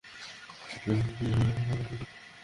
মানুষ খুন হয়, এমনকি নিজের ঘরেও খুন হয়, এটা নতুন কথা নয়।